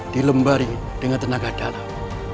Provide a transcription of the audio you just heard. dilembari dengan tenaga dalam